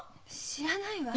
知らないわ。